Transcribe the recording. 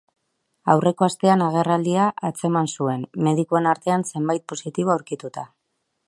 Aurreko astean agerraldia atzeman zuen, medikuen artean zenbait positibo aurkituta.